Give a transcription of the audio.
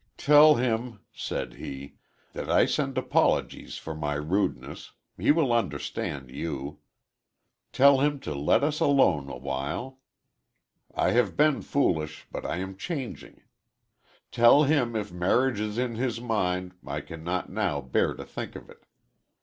"Tell him," said he, "that I send apologies for my rudeness he will understand you. Tell him to let us alone awhile. I have been foolish, but I am changing. Tell him if marriage is in his mind I cannot now bear to think of it.